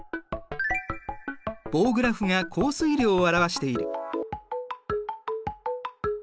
棒グラフが降水量を表している。